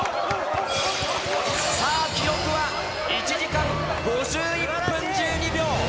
さあ、記録は１時間５１分１２秒。